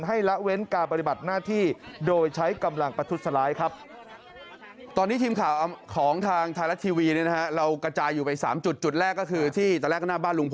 ละเว้นการปฏิบัติหน้าที่โดยใช้กำลังประทุษร้ายครับ